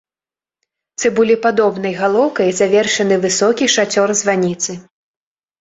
Цыбулепадобнай галоўкай завершаны высокі шацёр званіцы.